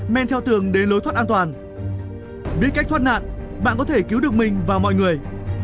men theo tường đến lối thoát an toàn biết cách thoát nạn bạn có thể cứu được mình và mọi người